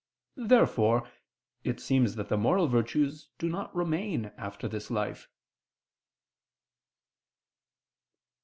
Therefore it seems that the moral virtues do not remain after this life.